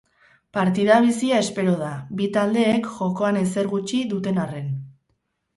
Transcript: Partida bizia espero da, bi taldeek jokoan ezer gutxi duten arren.